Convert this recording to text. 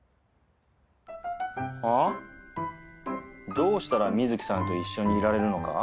「どうしたら美月さんと一緒にいられるのか」？